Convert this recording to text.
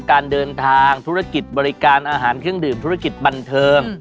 การเดินทางธุรกิจบริการอาหารเครื่องดื่มธุรกิจบันเทิง